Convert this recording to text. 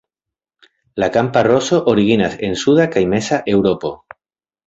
La kampa rozo originas en suda kaj meza Eŭropo.